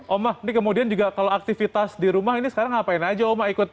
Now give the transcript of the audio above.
oma ini kemudian juga kalau aktivitas di rumah ini sekarang ngapain aja oma ikut